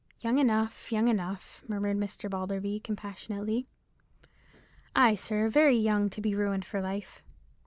"Young enough, young enough!" murmured Mr. Balderby, compassionately. "Ay, sir, very young to be ruined for life.